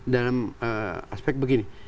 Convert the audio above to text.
dalam aspek begini